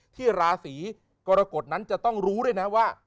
ราศีกรกฎนั้นจะต้องรู้ด้วยนะว่า